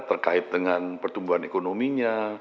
terkait dengan pertumbuhan ekonominya